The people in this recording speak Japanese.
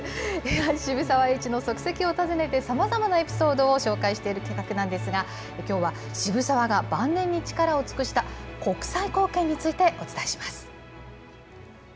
渋沢栄一の足跡を訪ねて、さまざまなエピソードを紹介している企画なんですが、きょうは渋沢が晩年に力を尽くした、国際貢献についてお伝えします。